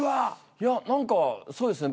いや何かそうですね